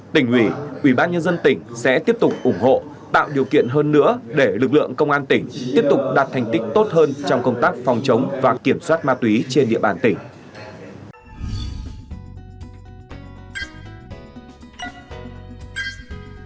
tỉnh ủy ủy ban nhân dân tỉnh sẽ tiếp tục ủng hộ tạo điều kiện hơn nữa để lực lượng công an tỉnh tiếp tục đạt thành tích tốt hơn trong công tác phòng chống và kiểm soát ma túy trên địa bàn tỉnh